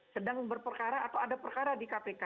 sedang berperkara atau ada perkara di kpk